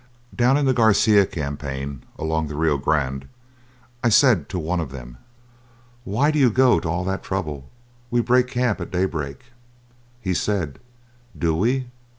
Down in the Garcia campaign along the Rio Grande I said to one of them: "Why do you go to all that trouble? We break camp at daybreak." He said: "Do we?